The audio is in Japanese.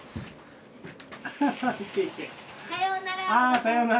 さようなら。